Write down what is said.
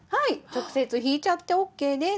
直接引いちゃってＯＫです。